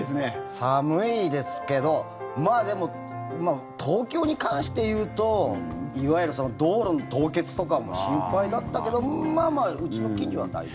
寒いですけどでも、東京に関して言うといわゆる道路の凍結とかも心配だったけどまあまあ、うちの近所は大丈夫。